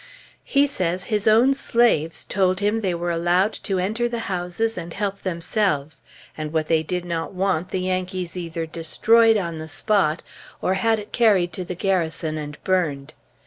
He says his own slaves told him they were allowed to enter the houses and help themselves, and what they did not want the Yankees either destroyed on the spot, or had it carried to the Garrison and burned.